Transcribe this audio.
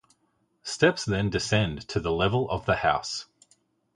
Steps then descend to the level of the house.